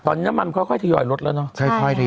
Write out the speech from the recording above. ตอนนี้น้ำมันค่อยค่อยถยอยลดแล้วเนอะค่อยค่อยถยอย